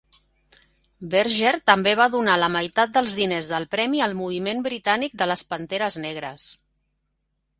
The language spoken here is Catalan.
Berger també va donar la meitat dels diners del premi al moviment britànic de les panteres negres.